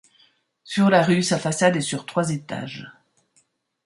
Sur la rue sa façade est sur trois étages.